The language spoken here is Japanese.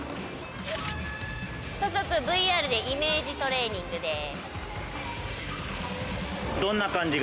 早速ＶＲでイメージトレーニングです。